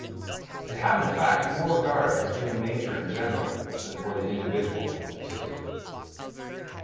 They have in fact more regard for human nature in general than for the individual in particular.